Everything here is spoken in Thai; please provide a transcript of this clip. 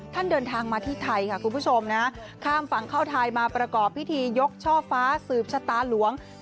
เดินทางมาที่ไทยค่ะคุณผู้ชมนะข้ามฝั่งเข้าไทยมาประกอบพิธียกช่อฟ้าสืบชะตาหลวง